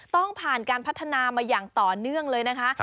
ต้องผ่านการพัฒนามาอย่างต่อเนื่องเลยนะคะ